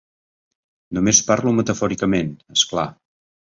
Només parlo metafòricament, és clar.